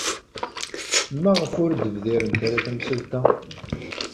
Maɣef ur d-bdirent ara tamsalt-a?